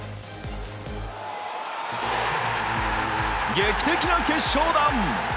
劇的な決勝弾！